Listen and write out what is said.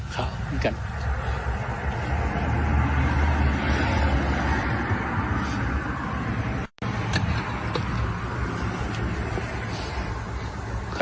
ข่าวเหมือนกัน